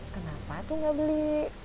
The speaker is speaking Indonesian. kenapa tuh nggak beli